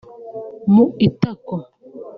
mu itako